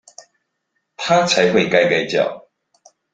他才會該該叫！